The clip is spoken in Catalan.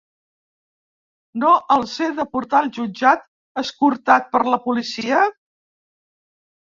No els he de portar al jutjat escortat per la policia?